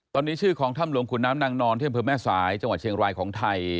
ตอนนี้ชื่อของถ้ำหลวงขุนน้ำนางนอนที่อำเภอแม่สายจังหวัดเชียงรายของไทย